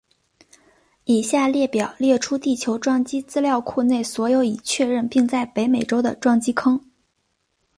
以下列表列出地球撞击资料库内所有已确认并在北美洲的撞击坑。